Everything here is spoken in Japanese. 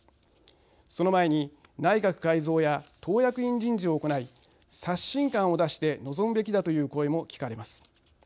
その前に内閣改造や党役員人事を行い刷新感を出して臨むべきだという声も聞かれます。